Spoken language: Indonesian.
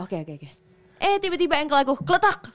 eh tiba tiba engkel aku keletak